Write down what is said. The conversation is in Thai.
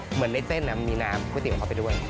เหมือนในเส้นมีน้ำก๋วยเตี๋ยวเข้าไปด้วย